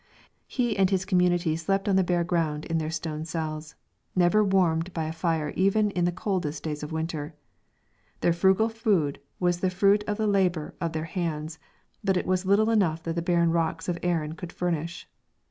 He and his community slept on the bare ground in their stone cells, never warmed by a fire even in the coldest days of winter. Their frugal food was the fruit of the labour of their hands, but it was little enough that the barren rocks of Aran could furnish.